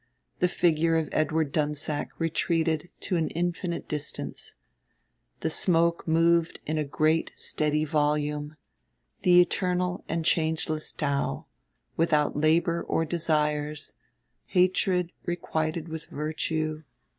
The figure of Edward Dunsack retreated to an infinite distance. The smoke moved in a great steady volume the eternal and changeless Tao, without labor or desires, without.... Hatred requited with virtue